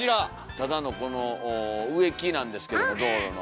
ただのこの植木なんですけど道路の。